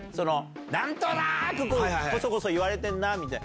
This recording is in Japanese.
なんとなーく、こそこそ言われてるなみたいな。